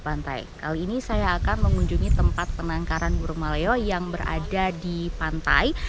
pantai kali ini saya akan mengunjungi tempat penangkaran burung maleo yang berada di pantai